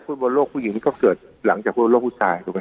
ฟุตบอลโลกผู้หญิงนี้ก็เกิดหลังจากฟุตบอลโลกผู้ชายถูกไหม